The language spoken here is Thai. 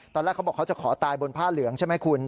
ตอนแรกเขาบอกเขาจะขอตายบนผ้าเหลืองใช่ไหมคุณ